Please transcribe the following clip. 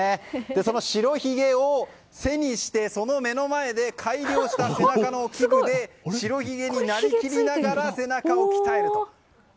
その白ひげを背にして、その目の前で白ひげになりきりながら背中を鍛えると。